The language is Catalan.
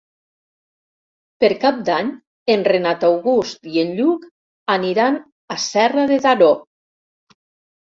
Per Cap d'Any en Renat August i en Lluc aniran a Serra de Daró.